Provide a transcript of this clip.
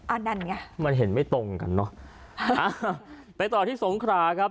อันนั้นไงมันเห็นไม่ตรงกันเนอะอ่าไปต่อที่สงขราครับ